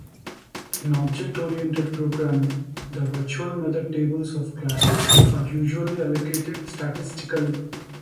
In object-oriented programming, the virtual method tables of classes are usually allocated statically.